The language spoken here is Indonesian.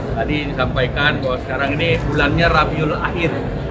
tadi disampaikan bahwa sekarang ini bulannya rafiul akhir